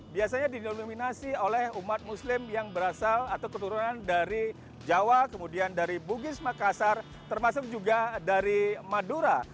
biasanya didominasi oleh umat muslim yang berasal atau keturunan dari jawa kemudian dari bugis makassar termasuk juga dari madura